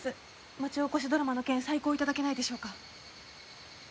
町おこしドラマの件再考頂けないでしょうか？